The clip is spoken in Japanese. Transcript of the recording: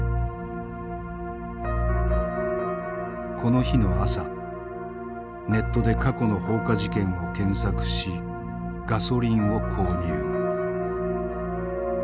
この日の朝ネットで過去の放火事件を検索しガソリンを購入。